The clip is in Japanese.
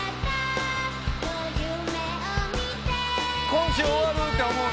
「今週終わるって思うねな？」